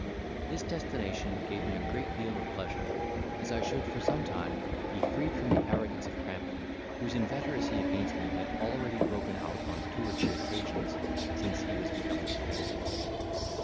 This destination gave me a great deal of pleasure, as I should, for some time, be freed from the arrogance of Crampley, whose inveteracy against me had already broken out on two or three occasions since he was become a lieutenant.